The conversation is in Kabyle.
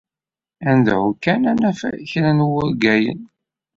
Ad nedɛu kan ad naf kra n wurgalen.